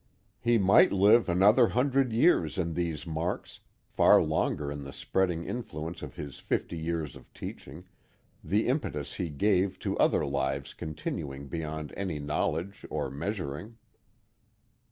He might live another hundred years in these marks, far longer in the spreading influence of his fifty years of teaching, the impetus he gave to other lives continuing beyond any knowledge or measuring.